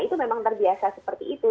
itu memang terbiasa seperti itu